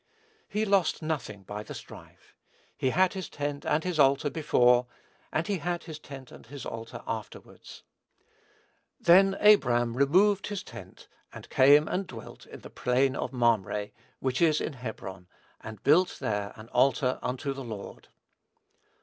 He lost nothing by the strife. He had his tent and his altar before; and he had his tent and his altar afterwards. "Then Abram removed his tent and came and dwelt in the plain of Mamre, which is in Hebron, and built there an altar unto the Lord."